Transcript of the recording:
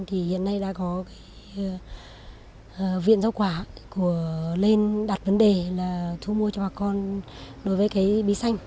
thì hiện nay đã có cái viện giao quả của lên đặt vấn đề là thu mua cho bà con đối với cái bí xanh